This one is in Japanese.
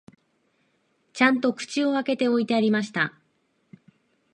ちゃんと口を開けて置いてありました